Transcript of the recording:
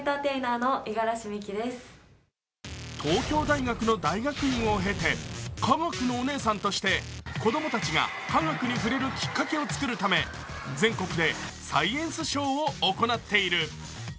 東京大学の大学院を経て、科学のお姉さんとして子供たちが科学に触れるきっかけを作るため全国でサイエンスショーを行っている。